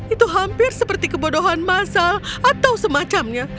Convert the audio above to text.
itu hampir seperti kebodohan masal atau semacamnya